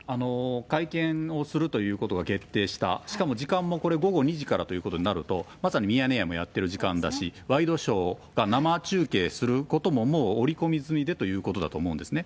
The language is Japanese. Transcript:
会見をするということが決定した、しかも時間も、これ、午後２時からということになると、まさにミヤネ屋もやってる時間だし、ワイドショーが生中継することももう織り込み済みでということだと思うんですね。